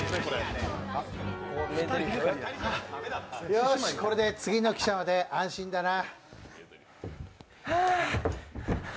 よーし、これで次の汽車まで安心だな。